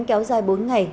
kéo dài bốn ngày